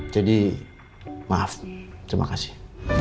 jadi maaf terima kasih